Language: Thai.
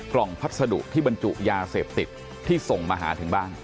พัสดุที่บรรจุยาเสพติดที่ส่งมาหาถึงบ้าน